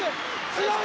強い！